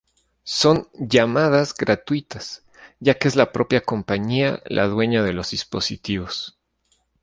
Son "llamadas" gratuitas, ya que es la propia compañía la dueña de los dispositivos.